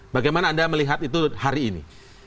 bagaimana anda melihat itu hari ini